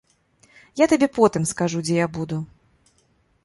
Я табе потым скажу, дзе я буду.